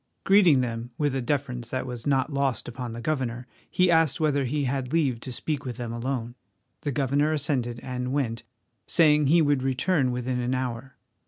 Greeting them with a deference that was not lost upon the governor, he asked whether he had leave to speak with them alone. The governor assented and went, saying he would return within an hour.